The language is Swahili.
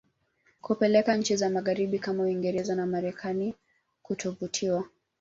kupelekea nchi za magharibi kama Uingereza na Marekani kutovutiwa